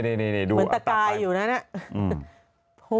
เหมือนตั้งตายอยู่นะนั่น